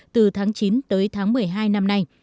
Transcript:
từ tháng chín tới tháng một mươi hai năm nay